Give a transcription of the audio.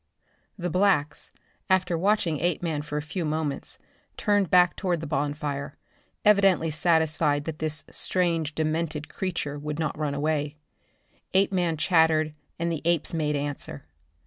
The blacks, after watching Apeman for a few moments turned back toward the bonfire, evidently satisfied that this strange demented creature would not run away. Apeman chattered and the apes made answer.